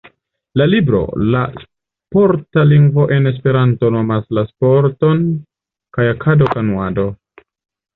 La libro "La sporta lingvo en Esperanto" nomas la sporton kajakado-kanuado.